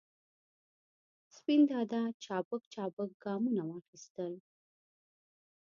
سپین دادا چابک چابک ګامونه واخستل.